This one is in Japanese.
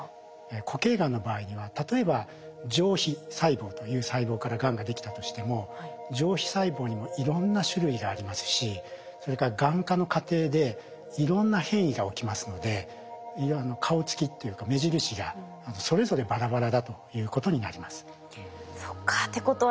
固形がんの場合には例えば上皮細胞という細胞からがんができたとしても上皮細胞にもいろんな種類がありますしそれからがん化の過程でいろんな変異が起きますので顔つきっていうか目印がそれぞれバラバラだということになります。